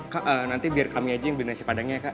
kak nanti biar kami aja yang beli nasi padangnya ya kak